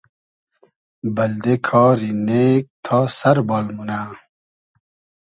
بئلدې کاری نېگ تا سئر بال مونۂ